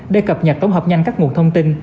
để cập nhật tổng hợp nhanh các nguồn thông tin